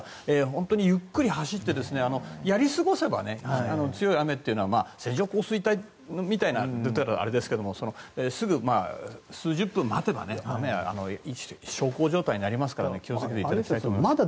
本当にゆっくり走ってやり過ごせば強い雨というのは線状降水帯みたいなというのはあれですがすぐ数十分待てば小康状態になりますから気をつけていただきたいと思います。